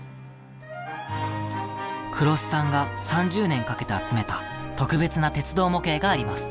黒須さんが３０年かけて集めた特別な鉄道模型があります。